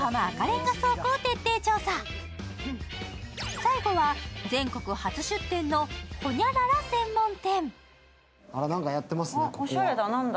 最後は全国初出店のホニャララ専門店。